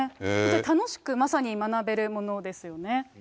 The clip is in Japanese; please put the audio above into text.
楽しく、まさに学べるものですよね。